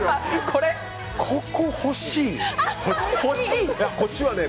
ここ欲しい！